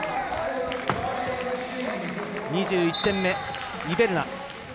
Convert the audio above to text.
２１点目、イベルナ。